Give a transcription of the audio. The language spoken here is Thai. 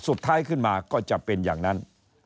สุดท้ายขึ้นมาก็จะเป็นอย่างนั้น